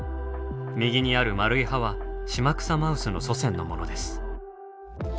右にある丸い歯はシマクサマウスの祖先のものです。